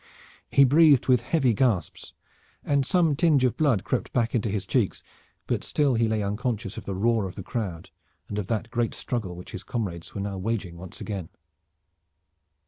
He breathed with heavy gasps, and some tinge of blood crept hack into his cheeks, but still he lay unconscious of the roar of the crowd and of that great struggle which his comrades were now waging once again.